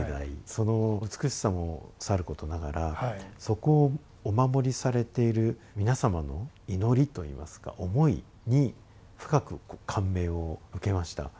その美しさもさることながらそこをお守りされている皆様の祈りといいますか思いに深く感銘を受けました。